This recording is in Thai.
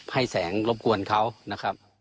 ให้แสงรบกวนเขานะครับ